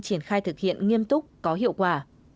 triển khai thực hiện nghiêm túc có hiệu quả